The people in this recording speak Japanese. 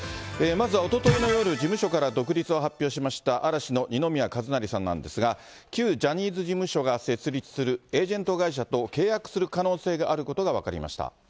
まずはおとといの夜、事務所から独立を発表した嵐の二宮和也さんなんですが、旧ジャニーズ事務所が設立するエージェント会社と契約する可能性